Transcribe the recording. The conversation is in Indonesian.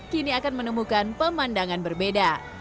kini akan menemukan pemandangan berbeda